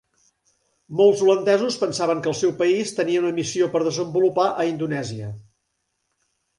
Molts holandesos pensaven que el seu país tenia una missió per desenvolupar a Indonèsia.